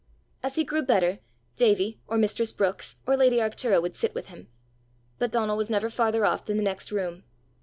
As he grew better, Davie, or mistress Brookes, or lady Arctura would sit with him. But Donal was never farther off than the next room.